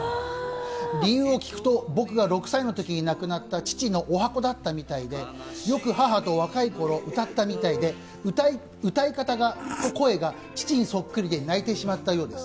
理由を聞くと、僕が６歳のときに亡くなった父のオハコだったみたいで、よく母と若い頃、歌っていたみたいで歌い方、声が父にそっくりで泣いてしまったようです。